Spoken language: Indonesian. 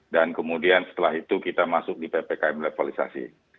dan kemudian setelah itu kita masuk di ppkm levelisasi